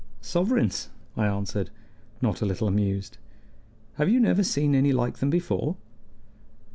"Sovereigns," I answered, not a little amused. "Have you never seen any like them before?"